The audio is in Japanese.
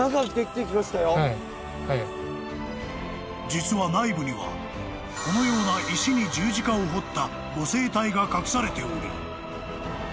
［実は内部にはこのような石に十字架を彫った御聖体が隠されており］